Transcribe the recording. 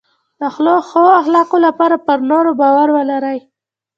د ښو اخلاقو لپاره پر نورو باور ولرئ.